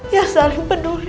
yang saling peduli